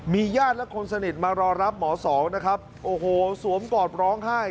ญาติและคนสนิทมารอรับหมอสองนะครับโอ้โหสวมกอดร้องไห้